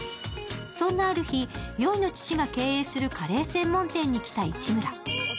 そんなある日、宵の父が経営するカレー専門店に来た市村。